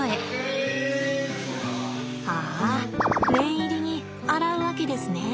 ああ念入りに洗うわけですね。